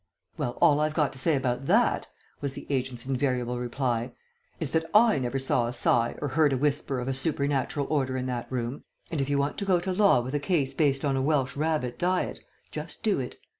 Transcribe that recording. "Well, all I've got to say about that," was the agent's invariable reply, "is that I never saw a sigh or heard a whisper of a supernatural order in that room, and if you want to go to law with a case based on a Welsh rarebit diet, just do it.